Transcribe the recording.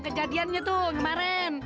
kejadiannya tuh kemarin